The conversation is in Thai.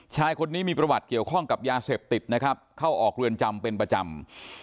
ชายคนนี้มีประวัติเกี่ยวข้องกับยาเสพติดนะครับเข้าออกเรือนจำเป็นประจำ